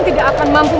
nah kita mutakan ibu